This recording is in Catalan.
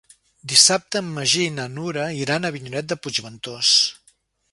Dissabte en Magí i na Nura iran a Avinyonet de Puigventós.